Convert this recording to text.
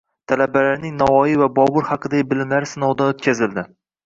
Talabalarning Navoiy va Bobur haqidagi bilimlari sinovdan o‘tkazildi